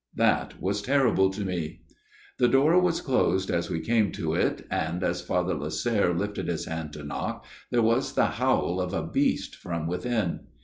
That was terrible to me !" The door was closed as we came to it, and as Father Lasserre lifted his hand to knock there was the howl of a beast from within.